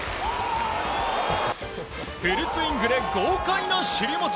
フルスイングで豪快な尻もち。